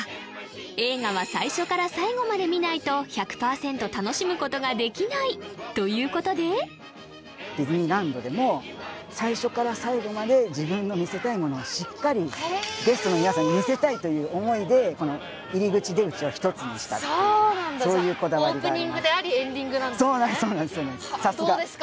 映画は最初から最後まで見ないと１００パーセント楽しむことができないということでディズニーランドでも最初から最後まで自分の見せたいものをしっかりゲストの皆さんに見せたいという思いでこの入り口出口は１つにしたっていうそうなんだじゃあそうなんですそうなんですどうですか？